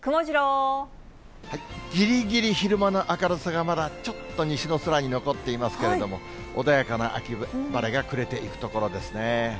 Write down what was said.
ぎりぎり昼間の明るさがまだちょっと西の空に残っていますけれども、穏やかな秋晴れが暮れていくところですね。